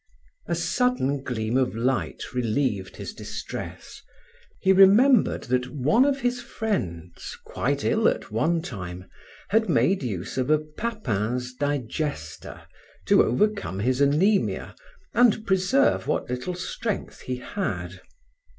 A sudden gleam of light relieved his distress; he remembered that one of his friends, quite ill at one time, had made use of a Papin's digester to overcome his anaemia and preserve what little strength he had.